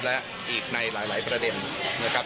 และอีกในหลายประเด็นนะครับ